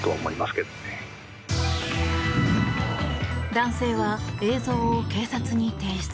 男性は映像を警察に提出。